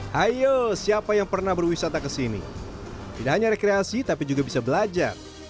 hai yo siapa yang pernah berwisata kesini tidak hanya rekreasi tapi juga bisa belajar